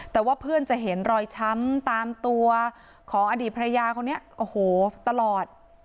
แต่ว่าเพื่อนจะเห็นรอยช้ำตามตัวของอดีตภรรยาคนนี้โอ้โหตลอด